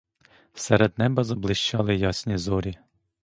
Серед неба заблищали ясні зорі.